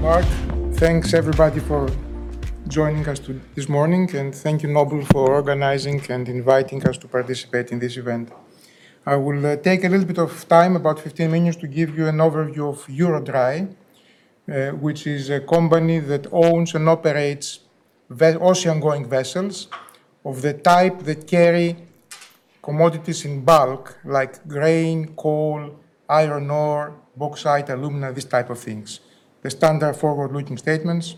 Thank you, Mark. Thanks, everybody, for joining us this morning, and thank you, Noble, for organizing and inviting us to participate in this event. I will take a little bit of time, about 15 minutes, to give you an overview of EuroDry, which is a company that owns and operates ocean-going vessels of the type that carry commodities in bulk, like grain, coal, iron ore, bauxite, alumina, these types of things. The standard forward-looking statements.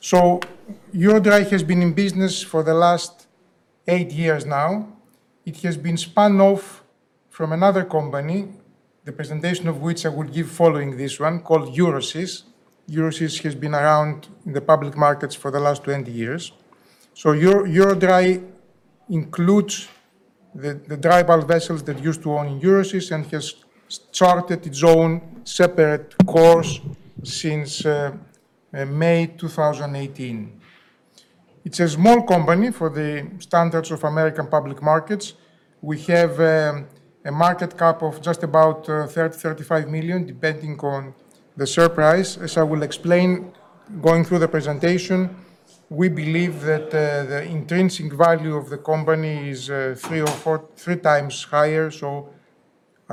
So EuroDry has been in business for the last eight years now. It has been spun off from another company, the presentation of which I will give following this one, called Euroseas. Euroseas has been around in the public markets for the last 20 years. So EuroDry includes the dry bulk vessels that Euroseas used to own and has started its own separate course since May 2018. It's a small company for the standards of American public markets. We have a market cap of just about $30-$35 million, depending on the price. As I will explain going through the presentation, we believe that the intrinsic value of the company is three times higher,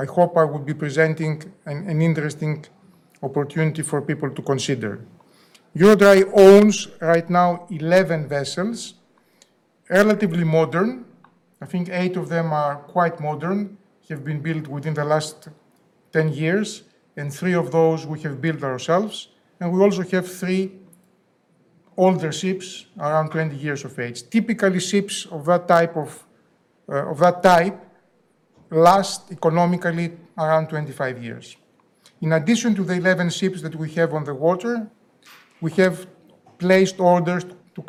so I hope I will be presenting an interesting opportunity for people to consider. EuroDry owns right now 11 vessels, relatively modern. I think eight of them are quite modern, have been built within the last 10 years, and three of those we have built ourselves. We also have three older ships, around 20 years of age. Typically, ships of that type last economically around 25 years. In addition to the 11 ships that we have on the water, we have placed orders to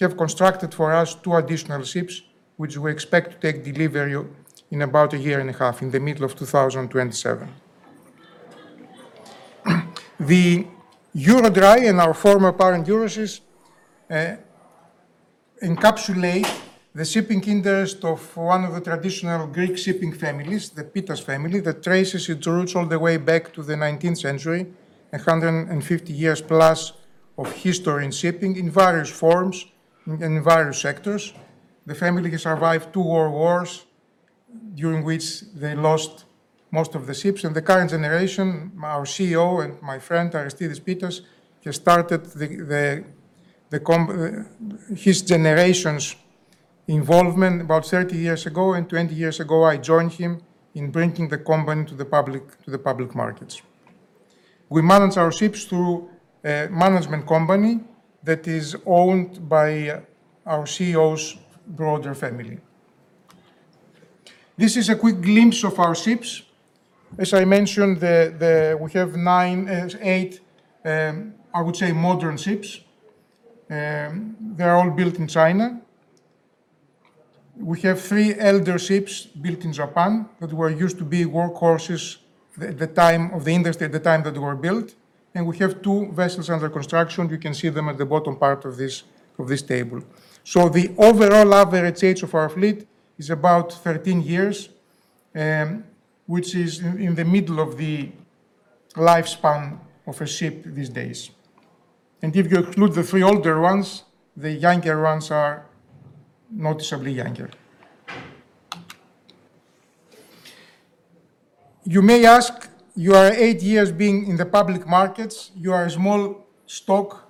have constructed for us two additional ships, which we expect to take delivery in about a year and a half, in the middle of 2027. The EuroDry and our former parent, Euroseas, encapsulate the shipping interest of one of the traditional Greek shipping families, the Pittas family, that traces its roots all the way back to the 19th century, 150 years plus of history in shipping in various forms and in various sectors. The family has survived two world wars during which they lost most of the ships, and the current generation, our CEO and my friend, Aristides Pittas, has started his generation's involvement about 30 years ago, and 20 years ago, I joined him in bringing the company to the public markets. We manage our ships through a management company that is owned by our CEO's broader family. This is a quick glimpse of our ships. As I mentioned, we have eight, I would say, modern ships. They are all built in China. We have three older ships built in Japan that used to be workhorses at the time of the industry, at the time that they were built, and we have two vessels under construction. You can see them at the bottom part of this table. So the overall average age of our fleet is about 13 years, which is in the middle of the lifespan of a ship these days. And if you exclude the three older ones, the younger ones are noticeably younger. You may ask, you are eight years being in the public markets. You are a small stock,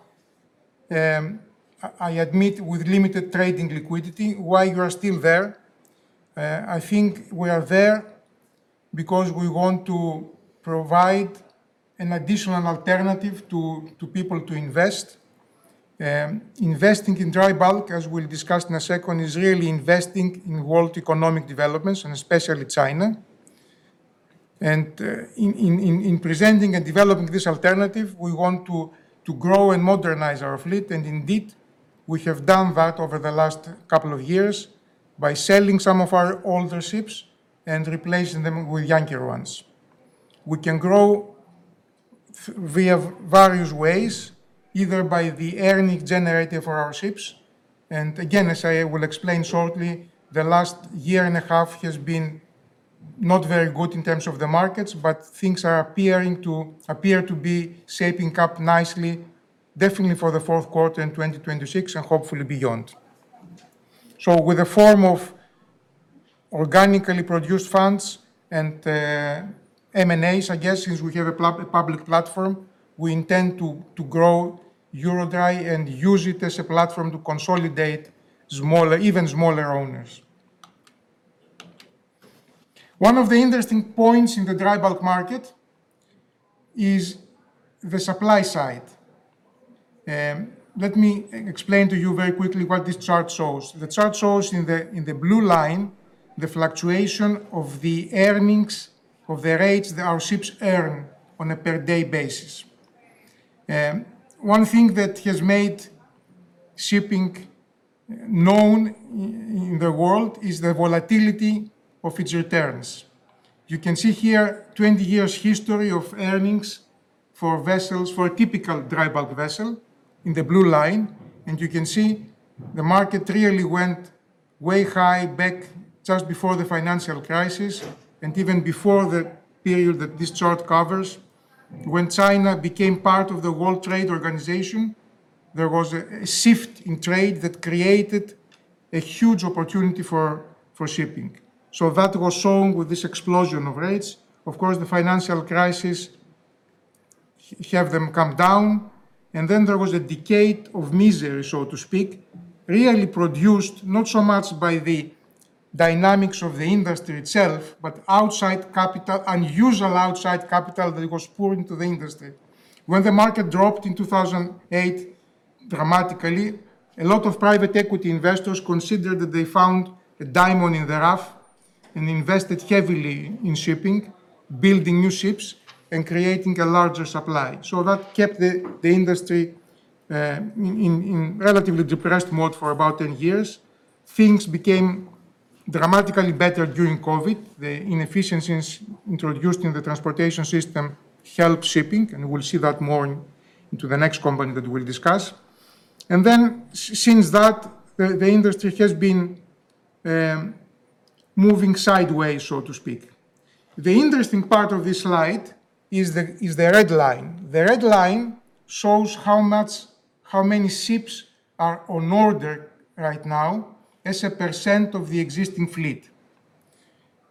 I admit, with limited trading liquidity. Why are you still there? I think we are there because we want to provide an additional alternative to people to invest. Investing in dry bulk, as we'll discuss in a second, is really investing in world economic developments, and especially China. In presenting and developing this alternative, we want to grow and modernize our fleet, and indeed, we have done that over the last couple of years by selling some of our older ships and replacing them with younger ones. We can grow via various ways, either by the earnings generated for our ships. Again, as I will explain shortly, the last year and a half has been not very good in terms of the markets, but things appear to be shaping up nicely, definitely for the fourth quarter in 2026 and hopefully beyond. So with a form of organically produced funds and M&As, I guess, since we have a public platform, we intend to grow EuroDry and use it as a platform to consolidate even smaller owners. One of the interesting points in the dry bulk market is the supply side. Let me explain to you very quickly what this chart shows. The chart shows in the blue line the fluctuation of the earnings of the rates that our ships earn on a per-day basis. One thing that has made shipping known in the world is the volatility of its returns. You can see here 20 years' history of earnings for vessels, for a typical dry bulk vessel, in the blue line, and you can see the market really went way high back just before the financial crisis and even before the period that this chart covers. When China became part of the World Trade Organization, there was a shift in trade that created a huge opportunity for shipping. So that was sown with this explosion of rates. Of course, the financial crisis had them come down, and then there was a decade of misery, so to speak, really produced not so much by the dynamics of the industry itself, but outside capital, unusual outside capital that was poured into the industry. When the market dropped in 2008 dramatically, a lot of private equity investors considered that they found a diamond in the rough and invested heavily in shipping, building new ships and creating a larger supply. So that kept the industry in relatively depressed mode for about 10 years. Things became dramatically better during COVID. The inefficiencies introduced in the transportation system helped shipping, and we'll see that more into the next company that we'll discuss. And then since that, the industry has been moving sideways, so to speak. The interesting part of this slide is the red line. The red line shows how many ships are on order right now as a percent of the existing fleet.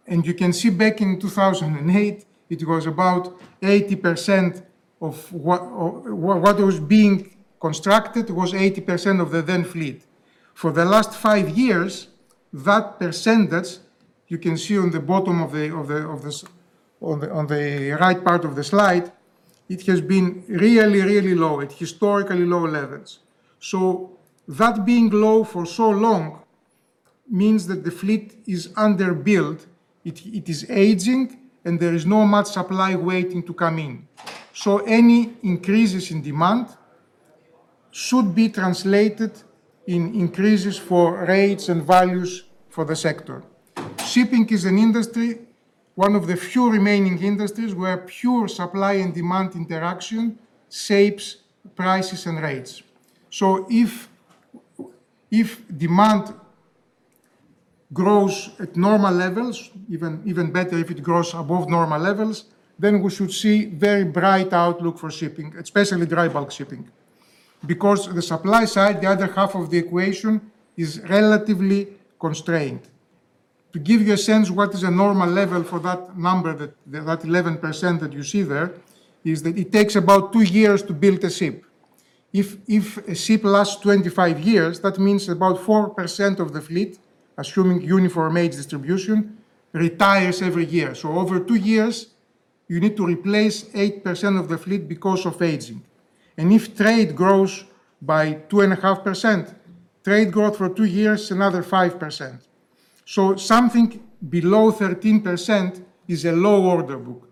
And you can see back in 2008, it was about 80% of what was being constructed was 80% of the then fleet. For the last five years, that percentage, you can see on the bottom of the right part of the slide, it has been really, really low at historically low levels. So that being low for so long means that the fleet is underbuilt. It is aging, and there is not much supply waiting to come in. So any increases in demand should be translated in increases for rates and values for the sector. Shipping is an industry, one of the few remaining industries where pure supply and demand interaction shapes prices and rates, so if demand grows at normal levels, even better if it grows above normal levels, then we should see a very bright outlook for shipping, especially dry bulk shipping, because the supply side, the other half of the equation, is relatively constrained. To give you a sense of what is a normal level for that number, that 11% that you see there, is that it takes about two years to build a ship. If a ship lasts 25 years, that means about 4% of the fleet, assuming uniform age distribution, retires every year, so over two years, you need to replace 8% of the fleet because of aging, and if trade grows by 2.5%, trade growth for two years, another 5%, so something below 13% is a low order book.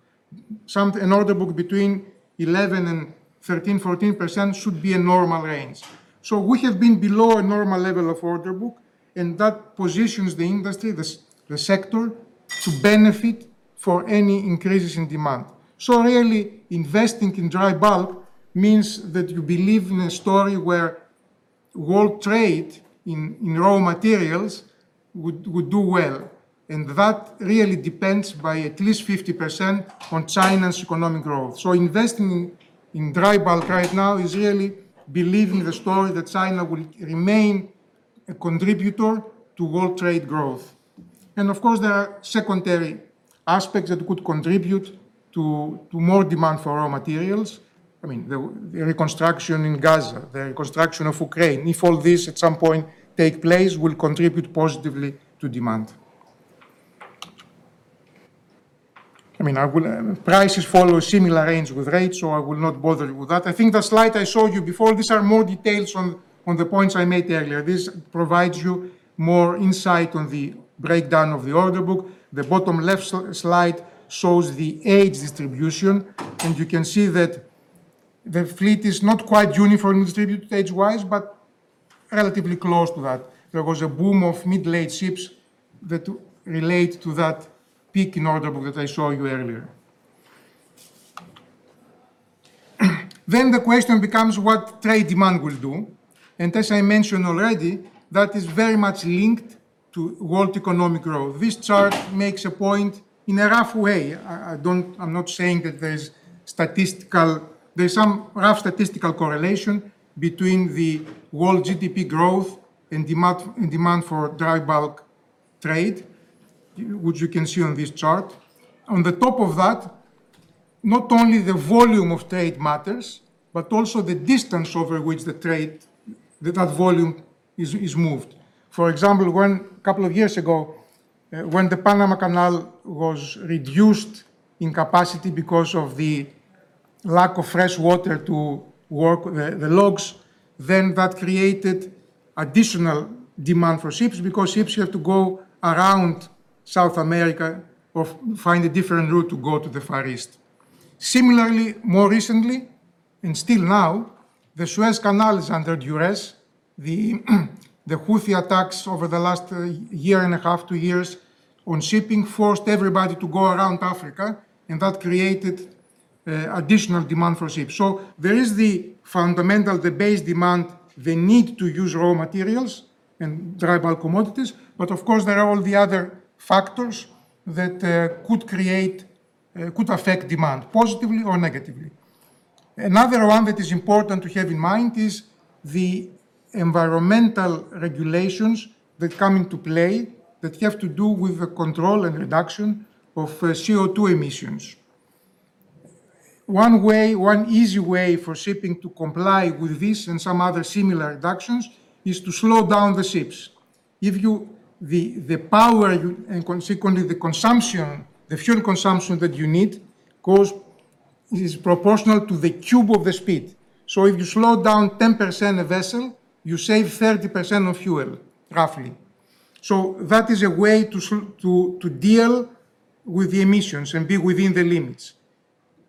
An order book between 11 and 13, 14% should be a normal range. So we have been below a normal level of order book, and that positions the industry, the sector, to benefit from any increases in demand. So really, investing in dry bulk means that you believe in a story where world trade in raw materials would do well. And that really depends by at least 50% on China's economic growth. So investing in dry bulk right now is really believing the story that China will remain a contributor to world trade growth. And of course, there are secondary aspects that could contribute to more demand for raw materials. I mean, the reconstruction in Gaza, the reconstruction of Ukraine, if all this at some point takes place, will contribute positively to demand. I mean, prices follow a similar range with rates, so I will not bother you with that. I think the slide I showed you before. These are more details on the points I made earlier. This provides you more insight on the breakdown of the order book. The bottom left slide shows the age distribution, and you can see that the fleet is not quite uniformly distributed age-wise, but relatively close to that. There was a boom of middle-aged ships that relates to that peak in order book that I showed you earlier. Then the question becomes what trade demand will do, and as I mentioned already, that is very much linked to world economic growth. This chart makes a point in a rough way. I'm not saying that there is some rough statistical correlation between the world GDP growth and demand for dry bulk trade, which you can see on this chart. On top of that, not only the volume of trade matters, but also the distance over which that volume is moved. For example, a couple of years ago, when the Panama Canal was reduced in capacity because of the lack of fresh water to work the locks, then that created additional demand for ships because ships have to go around South America or find a different route to go to the Far East. Similarly, more recently, and still now, the Suez Canal is under duress. The Houthi attacks over the last year and a half to two years on shipping forced everybody to go around Africa, and that created additional demand for ships. So there is the fundamental, the base demand, the need to use raw materials and dry bulk commodities, but of course, there are all the other factors that could affect demand, positively or negatively. Another one that is important to have in mind is the environmental regulations that come into play that have to do with the control and reduction of CO2 emissions. One easy way for shipping to comply with this and some other similar reductions is to slow down the ships. The power and consequently the consumption, the fuel consumption that you need is proportional to the cube of the speed. So if you slow down 10% a vessel, you save 30% of fuel, roughly. So that is a way to deal with the emissions and be within the limits.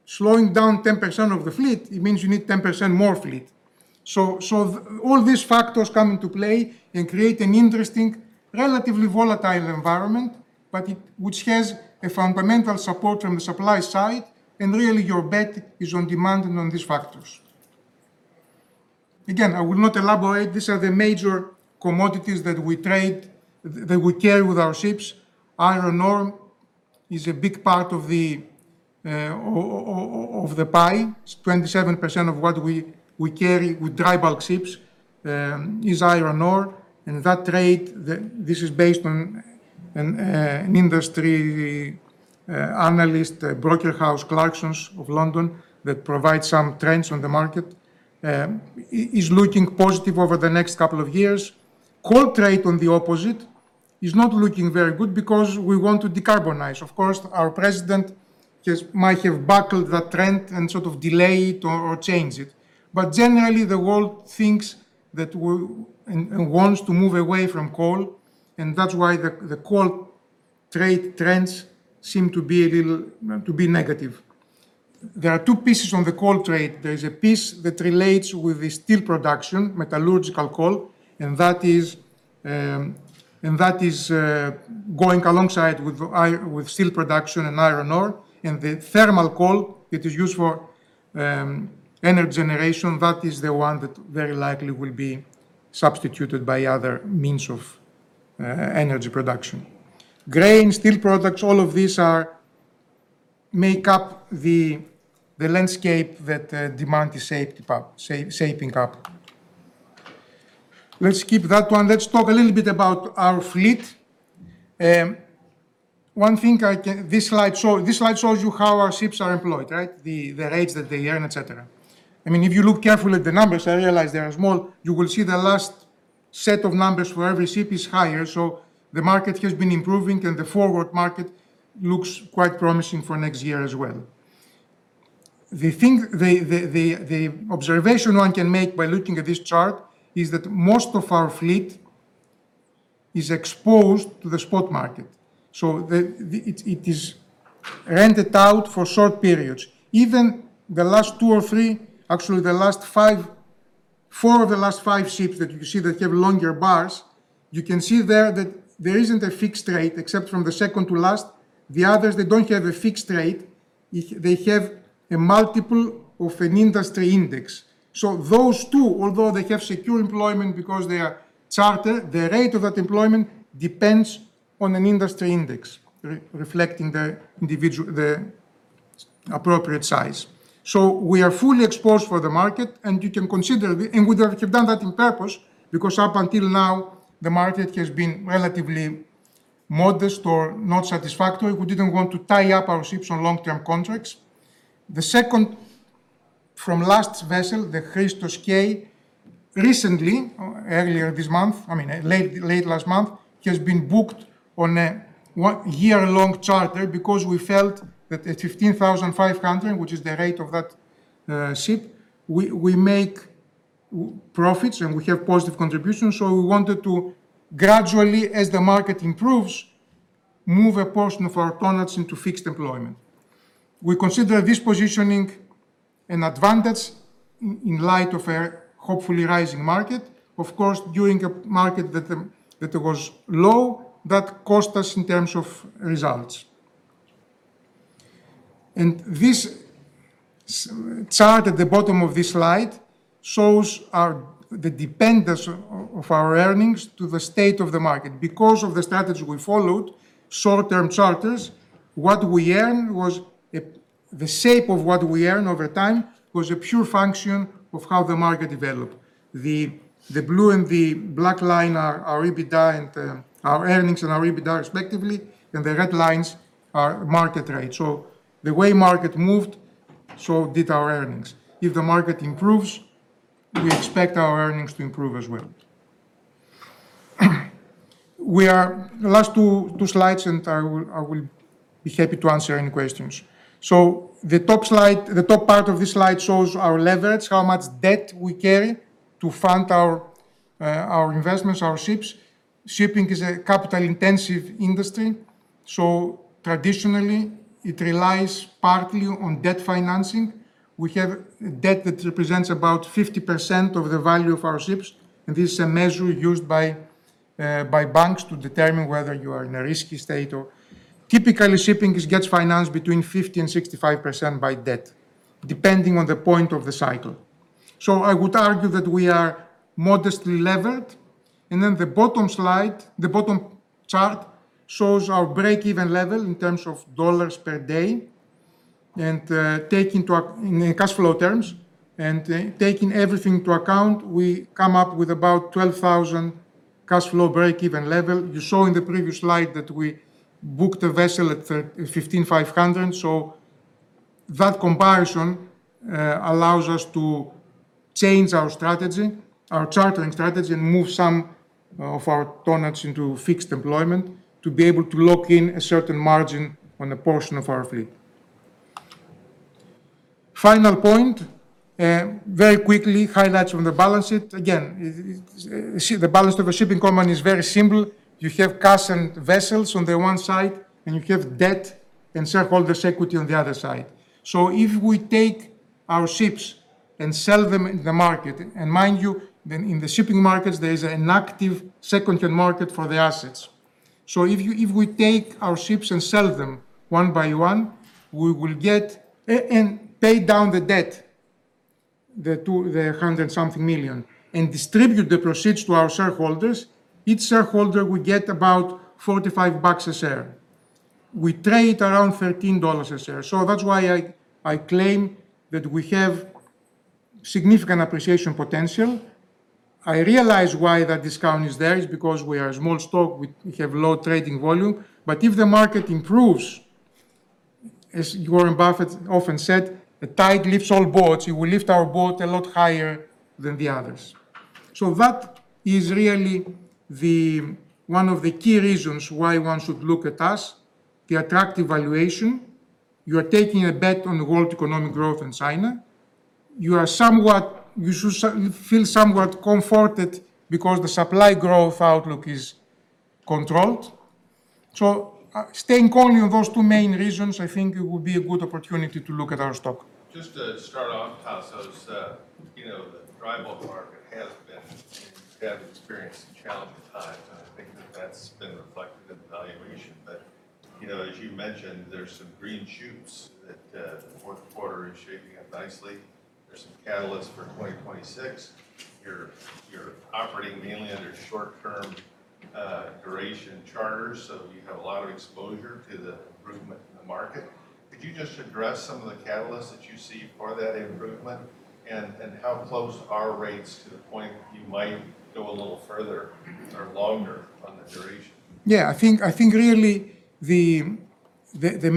Slowing down 10% of the fleet, it means you need 10% more fleet. So all these factors come into play and create an interesting, relatively volatile environment, which has a fundamental support from the supply side, and really your bet is on demand and on these factors. Again, I will not elaborate. These are the major commodities that we carry with our ships. Iron ore is a big part of the pie. 27% of what we carry with dry bulk ships is iron ore, and that rate, this is based on an industry analyst, broker house, Clarksons of London, that provides some trends on the market, is looking positive over the next couple of years. Coal trade on the opposite is not looking very good because we want to decarbonize. Of course, our president might have buck the trend and sort of delayed it or changed it. But generally, the world thinks that and wants to move away from coal, and that's why the coal trade trends seem to be negative. There are two pieces on the coal trade. There is a piece that relates with the steel production, metallurgical coal, and that is going alongside with steel production and iron ore, and the thermal coal that is used for energy generation, that is the one that very likely will be substituted by other means of energy production. Grain, steel products, all of these make up the landscape that demand is shaping up. Let's keep that one. Let's talk a little bit about our fleet. One thing, this slide shows you how our ships are employed, right? The rates that they earn, etc. I mean, if you look carefully at the numbers, I realize they are small. You will see the last set of numbers for every ship is higher, so the market has been improving, and the forward market looks quite promising for next year as well. The observation one can make by looking at this chart is that most of our fleet is exposed to the spot market. So it is rented out for short periods. Even the last two or three, actually the last five, four of the last five ships that you see that have longer bars, you can see there that there isn't a fixed rate except from the second to last. The others, they don't have a fixed rate. They have a multiple of an industry index. So those two, although they have secure employment because they are chartered, the rate of that employment depends on an industry index reflecting the appropriate size. So we are fully exposed for the market, and you can consider, and we have done that in purpose because up until now, the market has been relatively modest or not satisfactory. We didn't want to tie up our ships on long-term contracts. The second from last vessel, the Christos K, recently, earlier this month, I mean, late last month, has been booked on a year-long charter because we felt that at $15,500, which is the rate of that ship, we make profits and we have positive contributions. So we wanted to gradually, as the market improves, move a portion of our ton-miles into fixed employment. We consider this positioning an advantage in light of a hopefully rising market. Of course, during a market that was low, that cost us in terms of results. And this chart at the bottom of this slide shows the dependence of our earnings to the state of the market. Because of the strategy we followed, short-term charters, what we earned was the shape of what we earned over time was a pure function of how the market developed. The blue and the black line are our EBITDA and our earnings respectively, and the red lines are market rates. So the way market moved, so did our earnings. If the market improves, we expect our earnings to improve as well. The last two slides, and I will be happy to answer any questions. So the top part of this slide shows our leverage, how much debt we carry to fund our investments, our ships. Shipping is a capital-intensive industry, so traditionally, it relies partly on debt financing. We have debt that represents about 50% of the value of our ships, and this is a measure used by banks to determine whether you are in a risky state or. Typically, shipping gets financed between 50%-65% by debt, depending on the point of the cycle. So I would argue that we are modestly levered. And then the bottom slide, the bottom chart shows our break-even level in terms of $ per day. And taking cash flow terms and taking everything into account, we come up with about $12,000 cash flow break-even level. You saw in the previous slide that we booked a vessel at $15,500. So that comparison allows us to change our strategy, our chartering strategy, and move some of our tonnage into fixed employment to be able to lock in a certain margin on a portion of our fleet. Final point, very quickly, highlights from the balance sheet. Again, the balance of a shipping company is very simple. You have cash and vessels on the one side, and you have debt and shareholders' equity on the other side. So if we take our ships and sell them in the market, and mind you, in the shipping markets, there is an active second-tier market for the assets. So if we take our ships and sell them one by one, we will get and pay down the debt, the $100-and-something million, and distribute the proceeds to our shareholders. Each shareholder will get about $45 a share. We trade around $13 a share. So that's why I claim that we have significant appreciation potential. I realize why that discount is there is because we are a small stock. We have low trading volume. But if the market improves, as Warren Buffett often said, “a tide lifts all boats,” it will lift our boat a lot higher than the others. So that is really one of the key reasons why one should look at us, the attractive valuation. You are taking a bet on world economic growth in China. You should feel somewhat comforted because the supply growth outlook is controlled. So staying only on those two main reasons, I think it will be a good opportunity to look at our stock. Just to start off, Pallas, I was saying the dry bulk market has been experiencing challenging times, and I think that that's been reflected in the valuation. But as you mentioned, there's some green shoots that the fourth quarter is shaping up nicely. There's some catalysts for 2026. You're operating mainly under short-term duration charters, so you have a lot of exposure to the improvement in the market. Could you just address some of the catalysts that you see for that improvement and how close are rates to the point you might go a little further or longer on the duration? Yeah, I think really the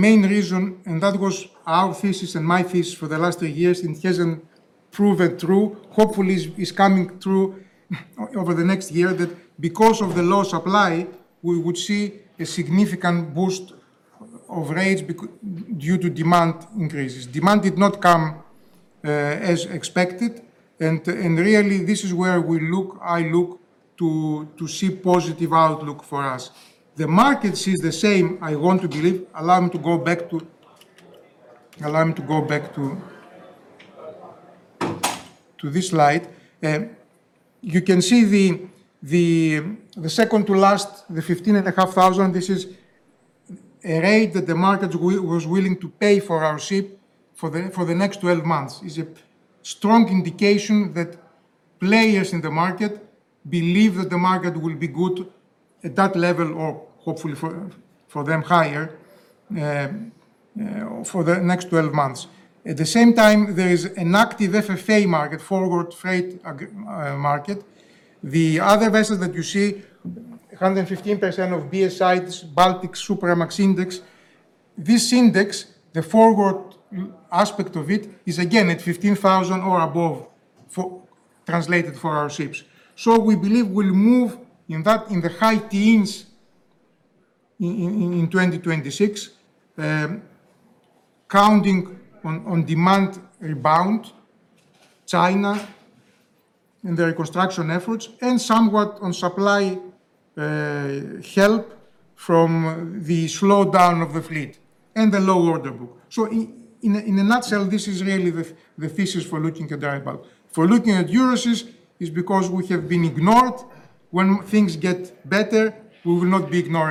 main reason, and that was our thesis and my thesis for the last three years and hasn't proven true, hopefully is coming true over the next year that because of the low supply, we would see a significant boost of rates due to demand increases. Demand did not come as expected, and really this is where I look to see positive outlook for us. The market sees the same. I want to believe. Allow me to go back to this slide. You can see the second to last, the 15,500. This is a rate that the market was willing to pay for our ship for the next 12 months. It's a strong indication that players in the market believe that the market will be good at that level or hopefully for them higher for the next 12 months. At the same time, there is an active FFA market, forward freight market. The other vessel that you see, 115% of BSI, this Baltic Supramax Index, this index, the forward aspect of it is again at 15,000 or above translated for our ships. So we believe we'll move in the high teens in 2026, counting on demand rebound, China, and the reconstruction efforts, and somewhat on supply help from the slowdown of the fleet and the low order book. So in a nutshell, this is really the thesis for looking at dry bulk. for looking at Euroseas is because we have been ignored. When things get better, we will not be ignored.